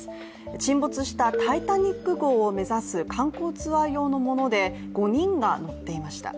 沈没したタイタニック号を目指す観光ツアー用のもので、５人が乗っていました。